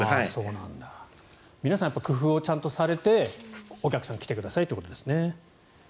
皆さん、工夫してお客さん来てくださいということですね。